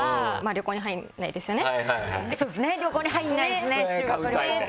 旅行に入らないですね。